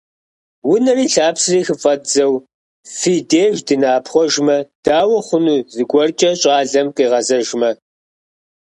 Унэри лъапсэри хыфӀэддзэу, фи деж дынэӀэпхъуэжмэ, дауэ хъуну зыгуэркӀэ щӀалэм къигъэзэжмэ?